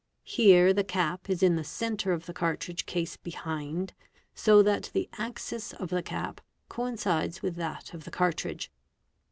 Here the cap is in the centre of the cartridge case behind, so that the ; axis of the cap coincides with that of the cartridge.